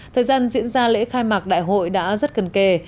thời gian diễn ra lễ khai mạc đại hội đã rất cần kề